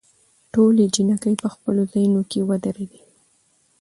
ټولې جینکې په خپلو ځايونوکې ودرېدي.